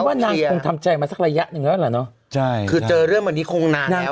ว่านางคงทำใจมาสักระยะหนึ่งแล้วล่ะเนอะใช่คือเจอเรื่องวันนี้คงนานแล้ว